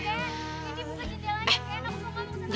rani kendi buka jendelanya